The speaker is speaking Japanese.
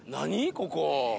ここ。